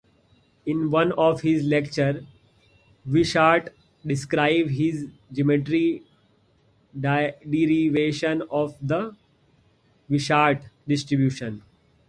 In one of his lectures Wishart described his geometric derivation of the Wishart distribution.